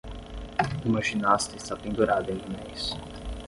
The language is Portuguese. Uma ginasta está pendurada em anéis.